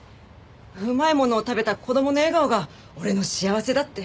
うまいものを食べた子どもの笑顔が俺の幸せだって。